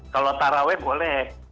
kalau taraweh boleh